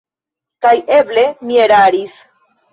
Kaj eble mi eraris!